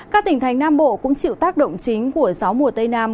các tỉnh thành nam bộ cũng chịu tác động chính của gió mùa tây nam